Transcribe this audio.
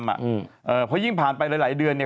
เพราะยิ่งผ่านไปหลายเดือนเนี่ย